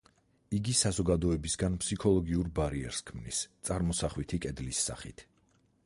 იგი საზოგადოებისგან ფსიქოლოგიურ ბარიერს ქმნის, წარმოსახვითი კედლის სახით.